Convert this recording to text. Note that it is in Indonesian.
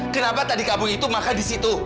kenapa tadi kamu itu makan di situ